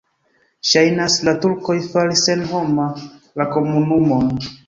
Ŝajnas, la turkoj faris senhoma la komunumon.